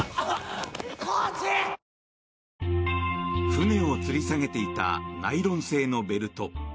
船をつり下げていたナイロン製のベルト。